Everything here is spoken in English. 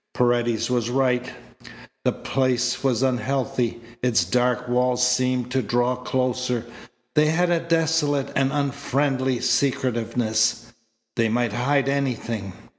Paredes was right. The place was unhealthy. Its dark walls seemed to draw closer. They had a desolate and unfriendly secretiveness. They might hide anything.